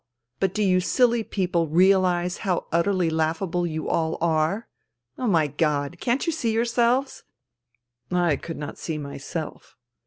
But do you silly people realize how utterly laughable you all are ? Oh, my God ! Can't you see yourselves !," (I could not see myself.)